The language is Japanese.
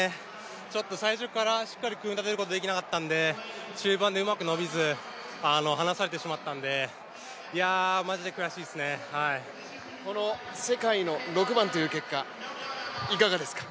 ちょっと最初からしっかり組み立てることができなかったので、中盤でうまく伸びず離されてしまったんでこの世界で６番という結果、いかがですか？